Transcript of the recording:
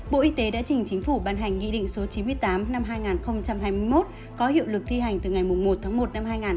bộ y tế đã trình chính phủ ban hành nghị định số chín mươi tám năm hai nghìn hai mươi một có hiệu lực thi hành từ ngày một tháng một năm hai nghìn hai mươi